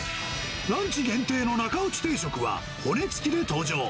ランチ限定の中落ち定食は、骨付きで登場。